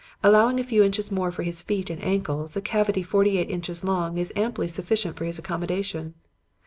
Allowing a few inches more for his feet and ankles, a cavity forty eight inches long is amply sufficient for his accommodation.